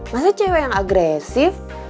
masih cewek yang agresif